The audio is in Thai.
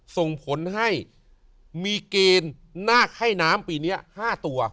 ส่งผลให้มีเกณฑ์นาคให้น้ำปีนี้๕ตัว